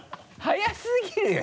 早すぎるよ